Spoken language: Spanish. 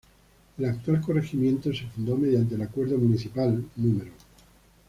El actual corregimiento se fundó mediante el Acuerdo Municipal No.